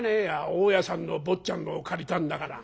大家さんの坊ちゃんのを借りたんだから。